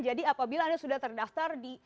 jadi apabila anda sudah terdaftar di